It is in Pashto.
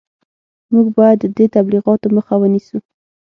موږ باید د دې تبلیغاتو مخه ونیسو